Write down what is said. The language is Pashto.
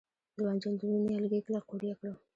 د بانجان رومي نیالګي کله قوریه کړم؟